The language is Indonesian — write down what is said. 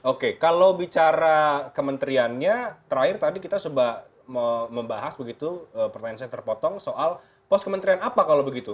oke kalau bicara kementeriannya terakhir tadi kita coba membahas begitu pertanyaan saya terpotong soal pos kementerian apa kalau begitu